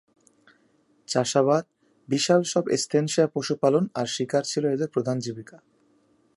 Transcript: চাষাবাদ, বিশাল সব "এস্তানসিয়ায়" পশুপালন আর শিকার ছিল এদের প্রধান জীবিকা।